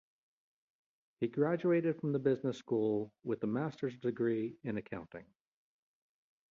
He graduated from the business school with a master's degree in accounting.